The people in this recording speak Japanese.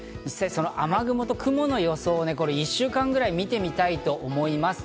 雨雲と雲の様子を１週間ぐらい見てみたいと思います。